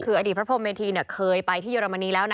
คืออดีตพระพรมเมธีเคยไปที่เยอรมนีแล้วนะ